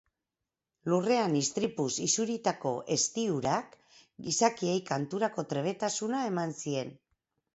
Lurrean istripuz isuritako ezti-urak gizakiei kanturako trebetasuna eman zien.